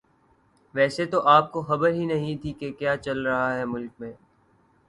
ویسے تو آپ کو خبر ہی نہیں تھی کہ کیا چل رہا ہے ملک میں